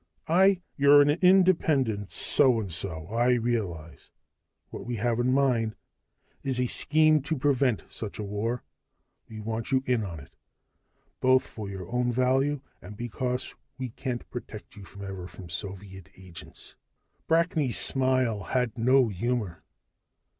"I " "You're an independent so and so, I realize. What we have in mind is a scheme to prevent such a war. We want you in on it both for your own value and because we can't protect you forever from Soviet agents." Brackney's smile had no humor.